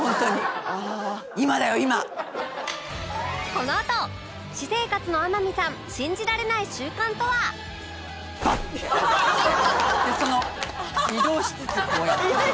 このあと私生活の天海さん信じられない習慣とは？でその移動しつつこうやって。